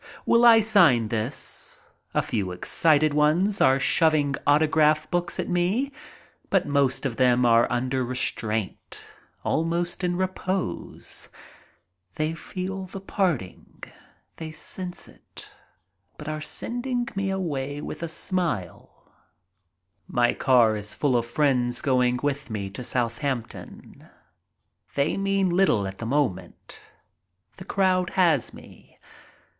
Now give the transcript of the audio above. Will I sign this ? A few excited ones are shoving autograph books at me, but most of them are under restraint, almost in repose. They feel the parting. They sense it, but are send ing me away with a smile. My car is full of friends going with me to Southampton. They mean little at the moment. The crowd has me.